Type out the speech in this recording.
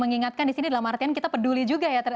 mengingatkan di sini dalam artian kita peduli juga ya